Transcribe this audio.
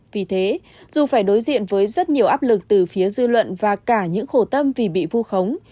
vì thế dù phải đối diện với rất nhiều áp lực từ phía dư luận và cả những khổ tâm vì bị vu khống